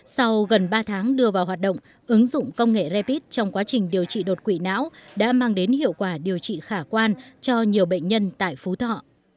sau gần ba tháng đưa vào hoạt động ứng dụng công nghệ rapid trong quá trình điều trị đột quỵ não đã mang đến hiệu quả điều trị khả quan cho nhiều bệnh nhân tại phú thọ